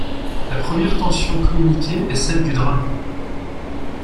La première tension communiquée est celle du drame.